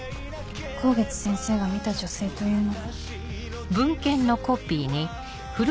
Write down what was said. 香月先生が見た女性というのは。